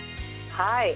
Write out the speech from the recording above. はい。